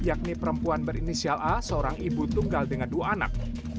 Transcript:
yakni perempuan berinisial a seorang ibu tunggal dengan dua anak